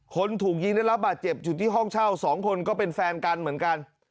คนถูกยิงได้รับบาดเจ็บอยู่ที่ห้องเช่าสองคนก็เป็นแฟนกันเหมือนกัน